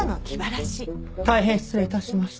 大変失礼致しました。